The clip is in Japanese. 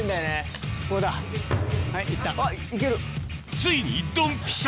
ついにドンピシャ！